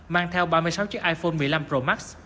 mang theo ba mươi sáu chiếc iphone một mươi năm pro max